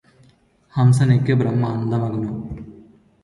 హంసనెక్కె Brahma అందముగను